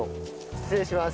失礼します。